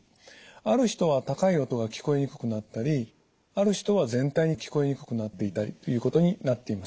ある人は高い音が聞こえにくくなったりある人は全体に聞こえにくくなっていたりということになっています。